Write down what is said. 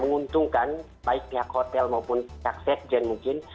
menguntungkan baiknya hotel maupun jaksek jen mungkin